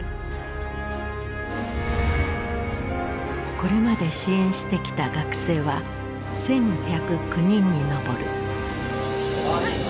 これまで支援してきた学生は１，１０９人に上る。